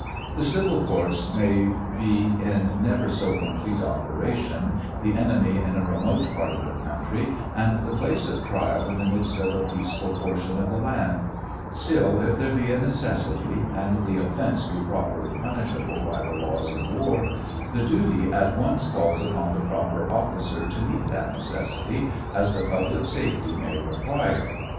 The civil courts may be in never so complete operation, the enemy in a remote part of the country, and the place of trial in the midst of a peaceful portion of the land ; still, if there be a necessity, and the offence be properly punishable by the laws of war, the duty at once falls upon the proper officer to meet that necessity as the public safety may require.